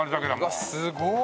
うわっすごっ！